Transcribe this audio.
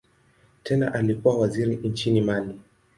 Tena alikuwa waziri nchini Mali.